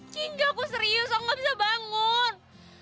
hingga aku serius aku gak bisa bangun